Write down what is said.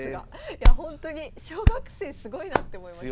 いやほんとに小学生すごいなって思いました。